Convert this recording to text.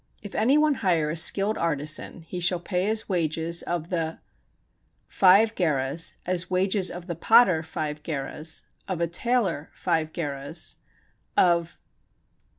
274. If any one hire a skilled artisan, he shall pay as wages of the ... five gerahs, as wages of the potter five gerahs, of a tailor five gerahs, of